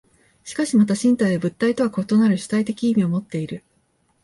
しかしまた身体は物体とは異なる主体的意味をもっている。